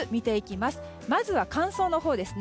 まずは乾燥のほうですね。